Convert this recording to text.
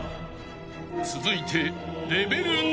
［続いて］